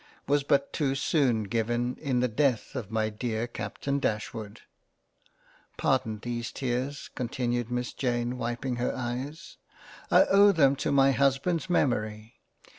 was but too soon given in the death of my dear Capt. Dashwood — Pardon these tears, continued Miss Jane wiping her Eyes, I owe them to my Husband's memory.